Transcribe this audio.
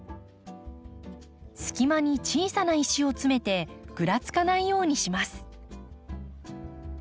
隙間に小さな石を詰めてぐらつかないようにします。